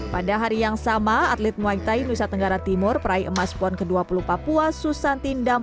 pada hari yang sama atlet muay thai nusa tenggara timur peraih emas pon ke dua puluh papua susantindam